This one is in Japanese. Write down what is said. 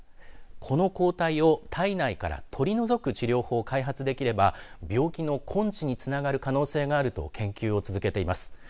この抗体を体内から取り除く治療法を開発できれば病気の根治につながる可能性があると研究を続けています。